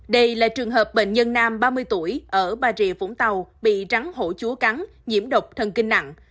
đây là trường hợp bệnh nhân nam ba mươi tuổi ở bà rịa vũng tàu bị rắn hổ chúa cắn nhiễm độc thần kinh nặng